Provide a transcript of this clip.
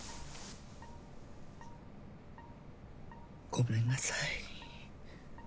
ごめんなさい。